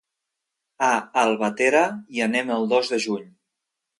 A Albatera hi anem el dos de juny.